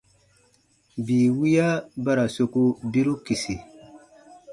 Bii wiya ba ra soku biru kisi.